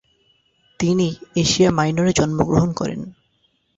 তিনি এশিয়া মাইনরে জন্মগ্রহণ করেন।